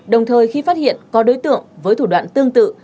đồng thời khi phát hiện có đối tượng với thủ đoạn tương tự